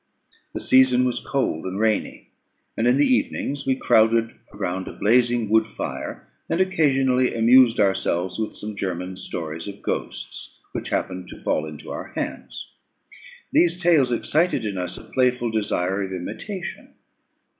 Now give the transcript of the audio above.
The season was cold and rainy, and in the evenings we crowded around a blazing wood fire, and occasionally amused ourselves with some German stories of ghosts, which happened to fall into our hands. These tales excited in us a playful desire of imitation.